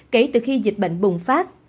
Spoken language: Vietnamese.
kể từ khi dịch bệnh bùng phát